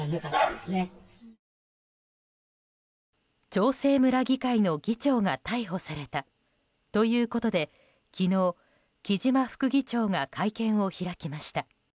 長生村議会の議長が逮捕されたということで昨日、木嶋副議長が会見を開きました。